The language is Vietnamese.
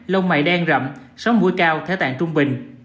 lông mại đen rậm sáu mũi cao thế tạng trung bình